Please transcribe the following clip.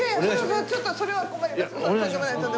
ちょっとそれは困ります。